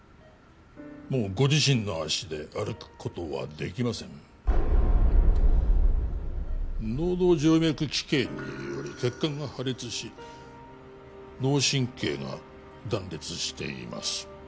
もうご自身の足で歩くことはできません脳動静脈奇形により血管が破裂し脳神経が断裂しています